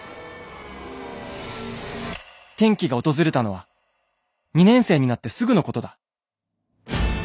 「転機が訪れたのは２年生になってすぐのことだ。